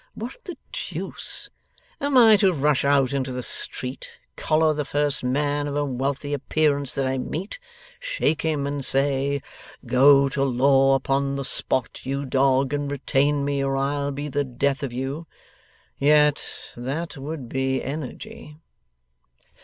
What the deuce! Am I to rush out into the street, collar the first man of a wealthy appearance that I meet, shake him, and say, "Go to law upon the spot, you dog, and retain me, or I'll be the death of you"? Yet that would be energy.